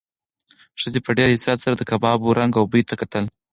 ښځې په ډېر حسرت سره د کبابو رنګ او بوی ته کتل.